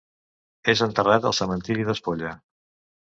És enterrat al cementiri d'Espolla.